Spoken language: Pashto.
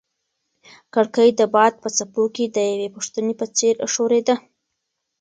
کړکۍ د باد په څپو کې د یوې پوښتنې په څېر ښورېده.